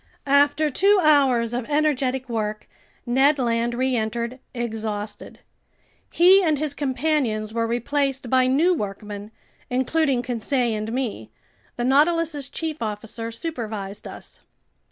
After two hours of energetic work, Ned Land reentered, exhausted. He and his companions were replaced by new workmen, including Conseil and me. The Nautilus's chief officer supervised us.